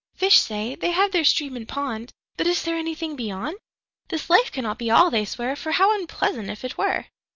5Fish say, they have their Stream and Pond;6But is there anything Beyond?7This life cannot be All, they swear,8For how unpleasant, if it were!